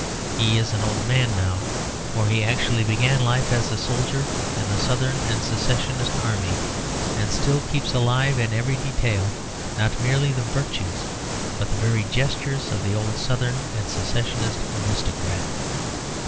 He is an old man now, for he actually began life as a soldier in the Southern and Secessionist army, and still keeps alive in every detail, not merely the virtues but the very gestures of the old Southern and Secessionist aristocrat.